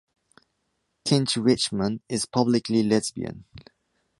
Kanchi Wichmann is publicly lesbian.